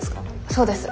そうです。